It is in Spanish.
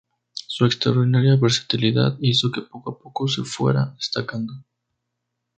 Su extraordinaria versatilidad hizo que poco a poco se fuera destacando.